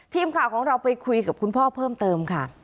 ทีมข่าวของเราไปคุยกับคุณพ่อเพิ่มเติมค่ะ